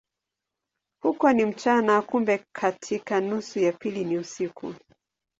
Huko ni mchana, kumbe katika nusu ya pili ni usiku.